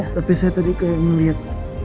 tapi saya tadi kayak ngeliat